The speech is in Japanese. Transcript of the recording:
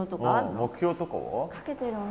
目標とかは？